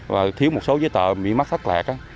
và thiếu một số giấy tờ bị mắc sắc lạc á